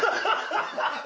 ハハハハ！